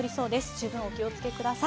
十分、お気をつけください。